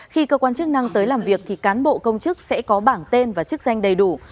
khi cơ quan chức năng tới làm việc thì cán bộ công chức sẽ có bảng tên và chức danh đầy đủ